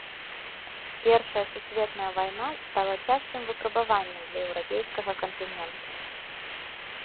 Першая сусветная вайна стала цяжкім выпрабаваннем для еўрапейскага кантыненту.